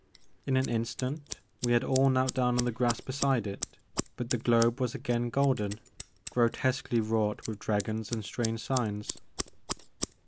In an instant we had all knelt down on the grass beside it, but the globe was again golden, grotesquely wrought with dra gons and strange signs.